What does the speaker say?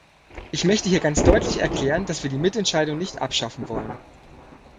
Ich möchte hier ganz deutlich erklären, dass wir die Mitentscheidung nicht abschaffen wollen.